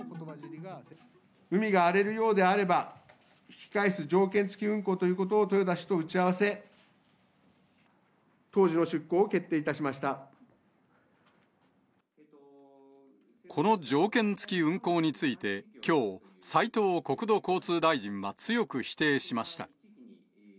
海が荒れるようであれば、引き返す、条件付き運航ということを豊田氏と打ち合わせ、この条件付き運航について、きょう、斉藤国土交通大臣は強く否定しました。